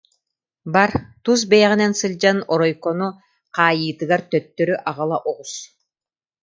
Бар, тус бэйэҕинэн сылдьан, Оройкону хаайыытыгар төттөрү аҕала оҕус